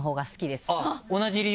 同じ理由？